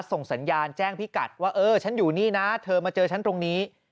ส่งสัญญาณแจ้งพี่กัดว่าเออฉันอยู่นี่นะเธอมาเจอฉันตรงนี้